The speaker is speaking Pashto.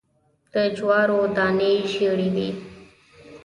د جوارو دانی ژیړې وي